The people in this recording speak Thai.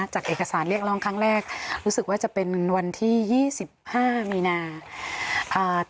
จากเอกสารเรียกร้องครั้งแรกรู้สึกว่าจะเป็นวันที่๒๕มีนาอ่า